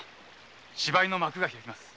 芝居の幕が開きます。